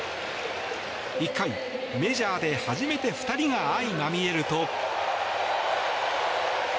１回、メジャーで初めて２人が相まみえると。